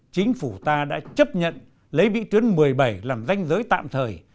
chính phủ ta đã chấp nhận lấy vị tuyến một mươi bảy làm danh giới tạm thời